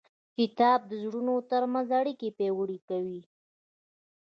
کتاب د زړونو ترمنځ اړیکې پیاوړې کوي.